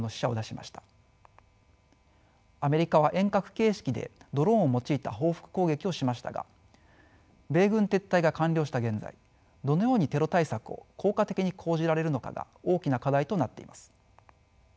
アメリカは遠隔形式でドローンを用いた報復攻撃をしましたが米軍撤退が完了した現在どのようにテロ対策を効果的に講じられるのかが大きな課題となっています。